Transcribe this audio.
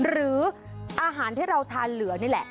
หรืออาหารที่เราทานเหลือนี่แหละ